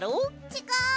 ちがう！